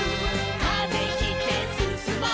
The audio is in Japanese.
「風切ってすすもう」